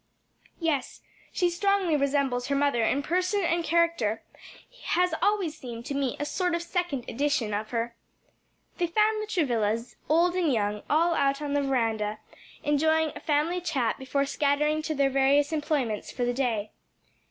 "Yes; she strongly resembles her mother in person and character; has always seemed to me a sort of second edition of her." They found the Travillas, old and young, all out on the veranda enjoying a family chat before scattering to their various employments for the day.